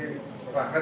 ya itu pandangan kami